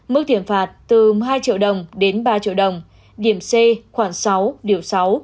mức tiền phạt từ hai triệu đồng đến ba triệu đồng điểm c khoảng sáu điều sáu